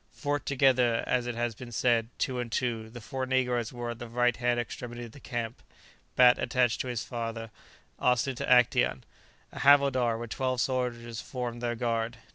Forked together, as it has been said, two and two, the four negroes were at the right hand extremity of the camp; Bat attached to his father, Austin to Actæon. A havildar, with twelve soldiers, formed their guard.